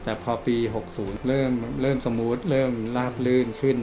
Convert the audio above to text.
แต่พอปี๖๐เริ่มร่าบเลื่อนขึ้น